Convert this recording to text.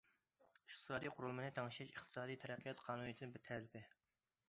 ئىقتىسادىي قۇرۇلمىنى تەڭشەش ئىقتىسادىي تەرەققىيات قانۇنىيىتىنىڭ تەلىپى.